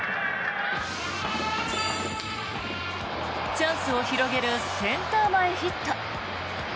チャンスを広げるセンター前ヒット。